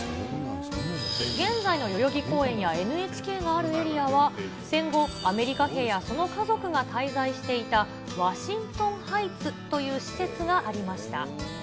現在の代々木公園やＮＨＫがあるエリアは、戦後、アメリカ兵やその家族が滞在していた、ワシントンハイツという施設がありました。